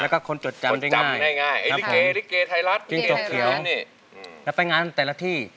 ค่ะคนจดจำได้ง่ายครับผมจริงจกเขียวแล้วไปงานแต่ละที่